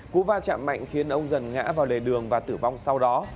cú va chạm mạnh khiến ông dần ngã vào lề đường và tử vong sau đó